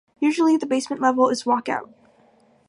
Usually the basement level is "walk out".